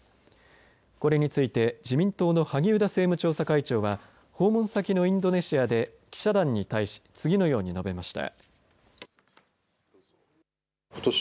これについて自民党の萩生田政務調査会長は訪問先のインドネシアで記者団に対し次のように述べました。